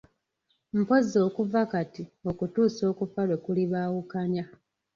Mpozzi okuva kati okutuusa okufa lwe kulibaawukanya.